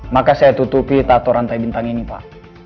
maka saya tutupi tato rantai bintang ini pak